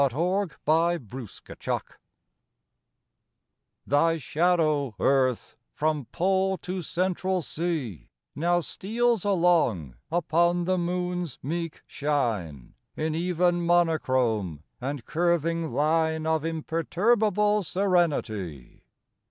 AT A LUNAR ECLIPSE THY shadow, Earth, from Pole to Central Sea, Now steals along upon the Moon's meek shine In even monochrome and curving line Of imperturbable serenity.